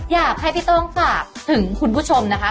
อยากให้พี่โต้งฝากถึงคุณผู้ชมนะคะ